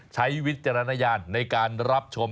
วิจารณญาณในการรับชม